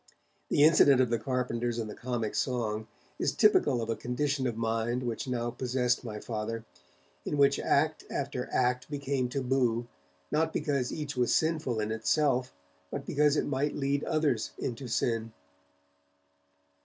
The incident of the carpenters and the comic song is typical of a condition of mind which now possessed my Father, in which act after act became taboo, not because each was sinful in itself, but because it might lead others into sin.